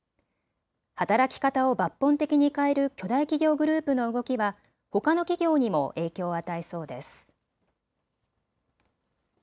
働き方を抜本的に変える巨大企業グループの動きはほかの企業にも影響を与えそうです。